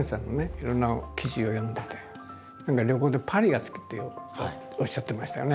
いろんな記事を読んでて何か旅行でパリが好きっておっしゃってましたよね。